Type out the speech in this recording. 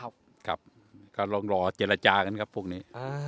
ครับครับก็ลองรอเจรจากันครับพวกนี้